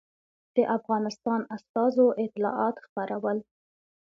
د افغانستان استازو اطلاعات خپرول.